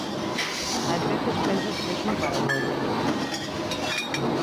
As veces pensas que es un paranoico.